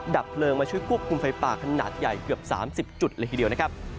ดับเปลืองมาช่วยกุมไฟป่าขนาดใหญ่เกือบ๓๐จุดเลยทีเดียว